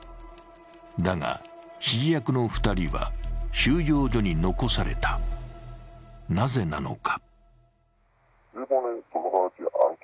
だが、指示役の２人は収容所に残された、なぜなのか。